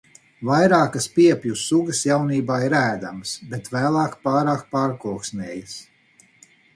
Vairākas piepju sugas jaunībā ir ēdamas, bet vēlāk pārāk pārkoksnējas.